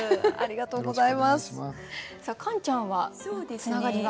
カンちゃんはつながりが？